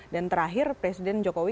dan terakhir presiden jokowi